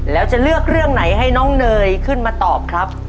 แล้วจะเลือกเรื่องไหนให้น้องเนยขึ้นมาตอบครับ